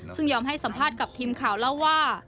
ซึ่งยอมให้สัมภาษณ์กับทีมข่าวเล่าว่า